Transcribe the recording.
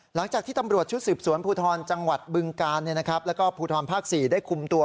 หลังจากที่ตำรวจชุดสืบสวนภูทรจังหวัดบึงกาลแล้วก็ภูทรภาค๔ได้คุมตัว